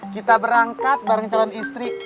kita berangkat bareng calon istri